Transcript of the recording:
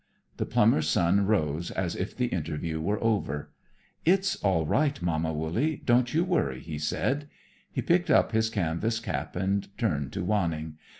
The plumber's son rose as if the interview were over. "It's all right, Mama Wooley, don't you worry," he said. He picked up his canvas cap and turned to Wanning.